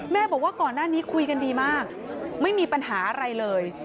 บอกว่าก่อนหน้านี้คุยกันดีมากไม่มีปัญหาอะไรเลย